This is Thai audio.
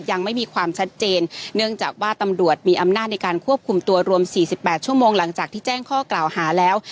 ยังไม่มีความชัดเจนเนื่องจากว่าตำรวจมีอำนาจในการควบคุมตัวรวม๔๘ชั่วโมงหลังจากที่แจ้งข้อกล่าวหาแล้ว